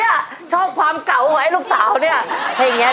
เนี่ยชอบความเก่าไหมลูกสาวเนี่ย